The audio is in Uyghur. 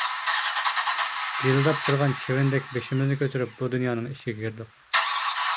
گىژىلداپ تۇرغان چىۋىندەك بېشىمىزنى كۆتۈرۈپ بۇ دۇنيانىڭ ئىچىگە كىردۇق.